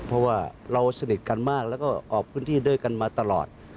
เพราะว่าเราสนิทกันมากแล้วก็ออกพื้นที่ด้วยกันมาตลอด